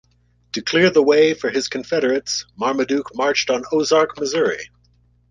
To clear the way for his Confederates, Marmaduke marched on Ozark, Missouri.